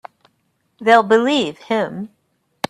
They'll believe him.